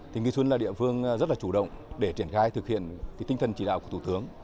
thì nghi xuân là địa phương rất là chủ động để triển khai thực hiện tinh thần chỉ đạo của thủ tướng